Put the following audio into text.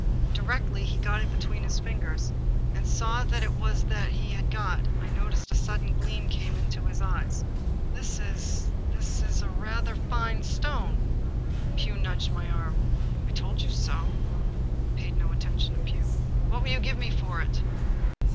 Directly 262 The Puzzle he got it between his fingers, and saw that it was that he had got, I noticed a sudden gleam come into his eyes. " This is — ^this is rather a fine stone." Pugh nudged my arm. " I told you so." I paid no attention to Pugh. " What will you give me for it?"